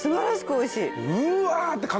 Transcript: おいしい。